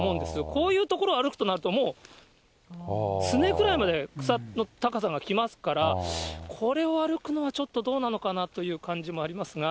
こういう所を歩くとなると、もう、すねくらいまで草の高さが来ますから、これは歩くのはちょっとどうなのかなという感じもありますが。